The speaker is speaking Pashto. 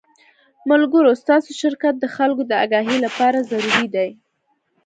ملګرو ستاسو شرکت د خلکو د اګاهۍ له پاره ضروري دے